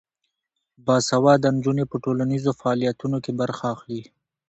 باسواده نجونې په ټولنیزو فعالیتونو کې برخه اخلي.